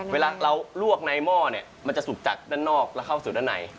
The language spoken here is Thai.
เวลาเราลวกในหม้อเนี่ยมันจะสุกจากด้านนอกแล้วเข้าสู่ด้านใน